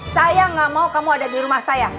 saya nggak mau kamu ada di rumah saya